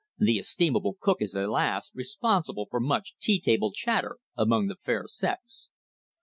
The estimable Cook is, alas! responsible for much tea table chatter among the fair sex.